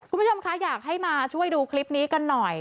คุณผู้ชมคะอยากให้มาช่วยดูคลิปนี้กันหน่อย